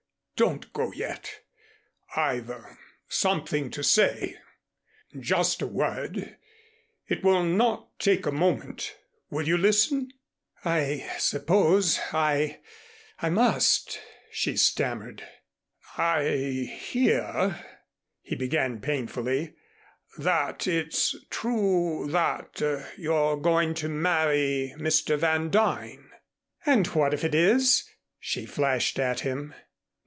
"Don't go yet. I've something to say just a word it will not take a moment. Will you listen?" "I suppose I I must," she stammered. "I hear " he began painfully, "that it's true that you're going to marry Mr. Van Duyn." "And what if it is?" she flashed at him.